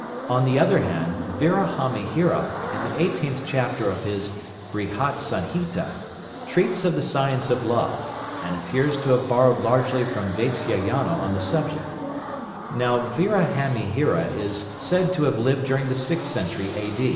On the other hand, Virahamihira, in the eighteenth chapter of his 'Brihatsanhita,' treats of the science of love, and appears to have borrowed largely from Vatsyayana on the subject. Now Virahamihira is said to have lived during the sixth century A.